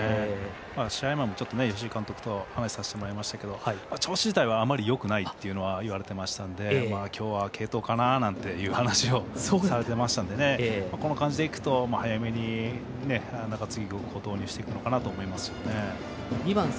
試合前も吉井監督と話をしましたが調子自体はあまりよくないと言われてましたので今日は継投かななんて話をされていましたんでこの感じでいくと早めに継投していくのかなと思います。